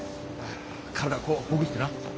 体をこうほぐしてな。